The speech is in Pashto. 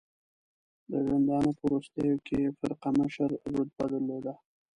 د ژوندانه په وروستیو کې یې فرقه مشر رتبه درلوده.